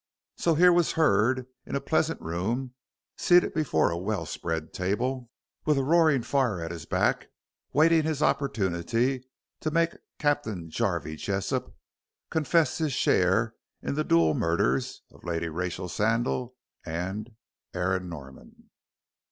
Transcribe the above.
So here was Hurd in a pleasant room, seated before a well spread table, and with a roaring fire at his back, waiting his opportunity to make Captain Jarvey Jessop confess his share in the dual murders of Lady Rachel Sandal and Aaron Norman.